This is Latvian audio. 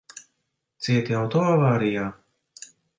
Cieti auto avārijā?